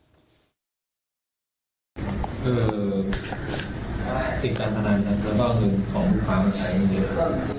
คือติดการพนันก็ก็หนึ่งของความใช้มือ